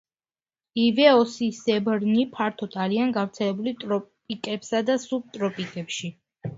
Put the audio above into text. ივეოსისებრნი ფართოდ არიან გავრცელებული ტროპიკებსა და სუბტროპიკებში.